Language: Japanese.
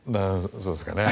そうですかね？